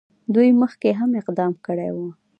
دوی مخکې هم اقدام کړی وو.